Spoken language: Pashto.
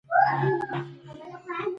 • د ورځې لمونځ د ژوند د بریا راز دی.